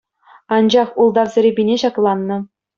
Анчах ултав серепине ҫакланнӑ.